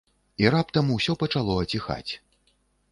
І раптам усё пачало аціхаць.